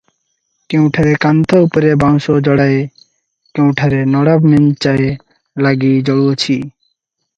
କେଉଁଠାରେ କାନ୍ଥ ଉପରେ ବାଉଁଶ ଯୋଡ଼ାଏ, କେଉଁଠାରେ ନଡ଼ା ମେଞ୍ଚାଏ ଲାଗି ଜଳୁଅଛି ।